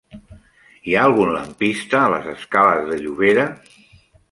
Hi ha algun lampista a la escales de Llobera?